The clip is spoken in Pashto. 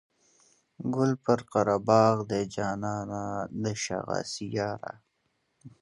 ګل پر قره باغ دی جانانه د شا غاسي یاره.